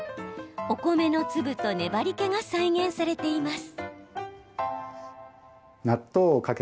お米の粒と粘りけが再現されています。